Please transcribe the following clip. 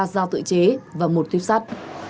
ba dao tự chế và một tiếp sắt